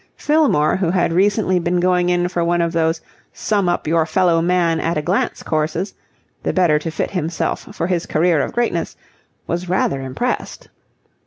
Fillmore, who had recently been going in for one of those sum up your fellow man at a glance courses, the better to fit himself for his career of greatness, was rather impressed.